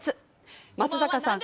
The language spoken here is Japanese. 松坂さん